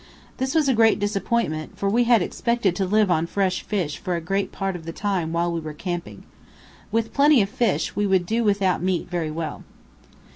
This was a great disappointment, for we had expected to live on fresh fish for a great part of the time while we were camping. With plenty of fish, we could do without meat very well.